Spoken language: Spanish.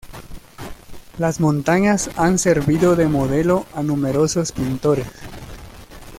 Las montañas han servido de modelo a numerosos pintores.